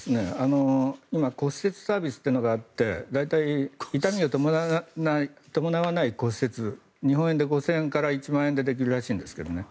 今骨折サービスというのがあって大体、痛みを伴わない骨折日本円で５０００円から１万円でできるらしいんですけどね。